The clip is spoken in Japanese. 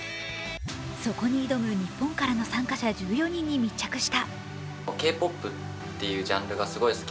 そこに挑む日本からの参加者１４人に密着した。